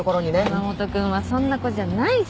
山本君はそんな子じゃないし。